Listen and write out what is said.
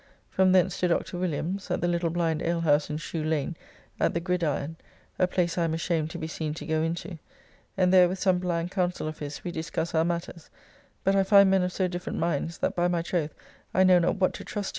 From thence to Dr. Williams (at the little blind alehouse in Shoe Lane, at the Gridiron, a place I am ashamed to be seen to go into), and there with some bland counsel of his we discuss our matters, but I find men of so different minds that by my troth I know not what to trust to.